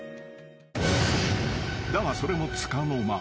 ［だがそれもつかの間］